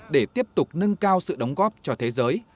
để tiếp tục nâng cao sự đóng góp cho thế giới